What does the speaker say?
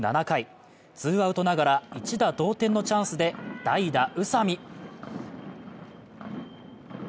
７回ツーアウトながら一打同点のチャンスで代打・宇佐見。